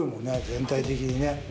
全体的にね。